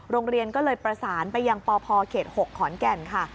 โรงเรียนก็เลยประสานไปยังปพเขต๖ขอนแก่นค่ะ